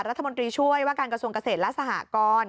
รัฐมนตรีช่วยว่าการกระทรวงเกษตรและสหกร